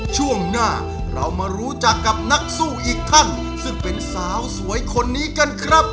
ช่วงหน้าเรามารู้จักกับนักสู้อีกท่านซึ่งเป็นสาวสวยคนนี้กันครับ